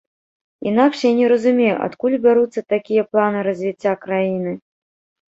Інакш я не разумею, адкуль бяруцца такія планы развіцця краіны.